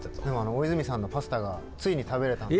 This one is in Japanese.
大泉さんのパスタがついに食べれたんで。